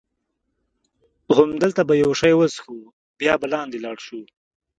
همدلته به یو شی وڅښو، بیا به لاندې ولاړ شو.